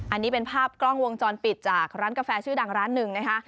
อันนี้เป็นภาพกล้องวงจรปิดจากร้านกาแฟชื่อดังร้านหนึ่งนะคะ